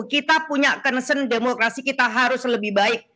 kita punya concern demokrasi kita harus lebih baik